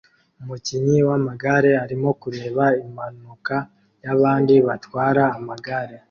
Umukinnyi wamagare arimo kureba impanuka yabandi batwara amagare